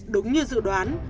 đúng như dự đoán